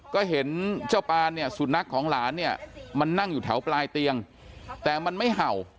ก็เห็นเจ้าปานเนี่ยสุนัขของหลานเนี่ยมันนั่งอยู่แถวปลายเตียงแต่มันไม่เห่า